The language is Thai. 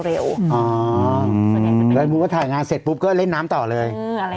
อ๋อส่วนใหญ่สุดเป็นแล้วถ้าถ่ายงานเสร็จปุ๊บก็เล่นน้ำต่อเลย